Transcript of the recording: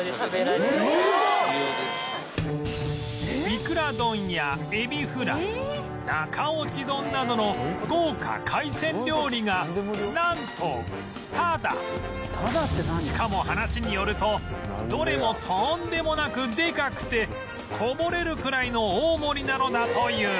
いくら丼やエビフライ中落ち丼などのしかも話によるとどれもとんでもなくデカくてこぼれるくらいの大盛りなのだという